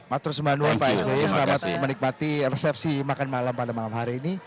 matur sembanuan pak sby selamat menikmati resepsi makan malam pada malam hari ini